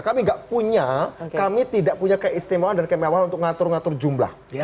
kami tidak punya kami tidak punya keistimewaan dan kemewahan untuk ngatur ngatur jumlah